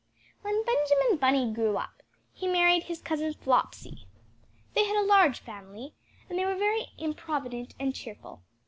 When Benjamin Bunny grew up, he married his Cousin Flopsy. They had a large family, and they were very improvident and cheerful.